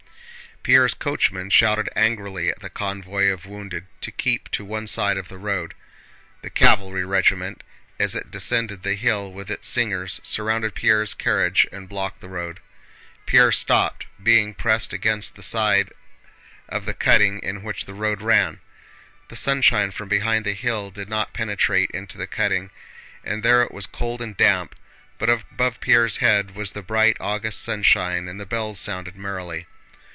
Pierre's coachman shouted angrily at the convoy of wounded to keep to one side of the road. The cavalry regiment, as it descended the hill with its singers, surrounded Pierre's carriage and blocked the road. Pierre stopped, being pressed against the side of the cutting in which the road ran. The sunshine from behind the hill did not penetrate into the cutting and there it was cold and damp, but above Pierre's head was the bright August sunshine and the bells sounded merrily.